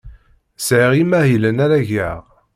Sɛiɣ imahilen ara geɣ.